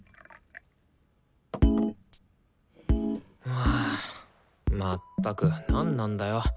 はぁまったくなんなんだよ？